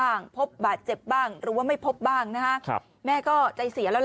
แล้วน้องป่วยเป็นเด็กออทิสติกของโรงเรียนศูนย์การเรียนรู้พอดีจังหวัดเชียงใหม่นะคะ